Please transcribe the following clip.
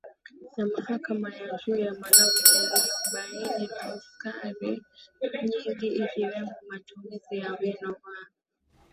na mahakama ya juu ya Malawi iliyobaini osari nyingi ikiwemo matumzii ya wino wa